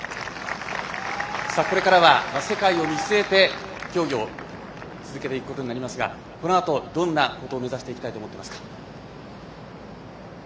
これからは世界を見据えて競技を続けていくことになりますがこのあと、どんなことを目指していきたいと思っていますか？